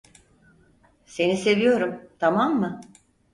Seni seviyorum, tamam mı?